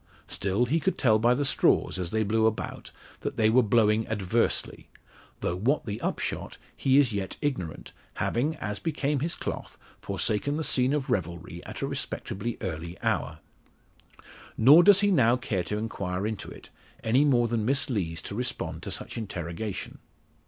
Still, he could tell by the straws, as they blew about, that they were blowing adversely; though what the upshot he is yet ignorant, having, as became his cloth, forsaken the scene of revelry at a respectably early hour. Nor does he now care to inquire into it, any more than Miss Lees to respond to such interrogation.